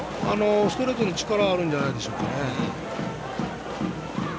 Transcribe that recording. ストレートに力があるんじゃないでしょうか。